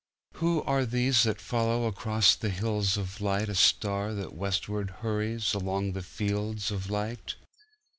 Who are these that follow across the hills of nightA star that westward hurries along the fields of light?